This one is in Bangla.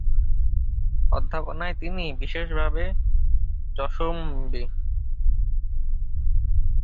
অধ্যাপনায় তিনি বিশেষভাবে যশম্বী।